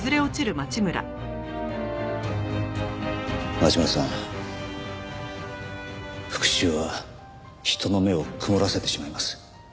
町村さん復讐は人の目を曇らせてしまいます。